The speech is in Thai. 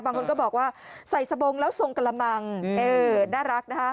บางคนก็บอกว่าใส่สบงแล้วทรงกระมังเออน่ารักนะคะ